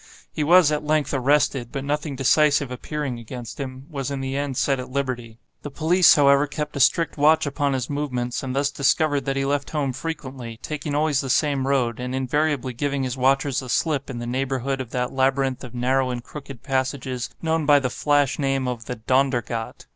He was at length arrested, but nothing decisive appearing against him, was in the end set at liberty. The police, however, kept a strict watch upon his movements, and thus discovered that he left home frequently, taking always the same road, and invariably giving his watchers the slip in the neighborhood of that labyrinth of narrow and crooked passages known by the flash name of the 'Dondergat.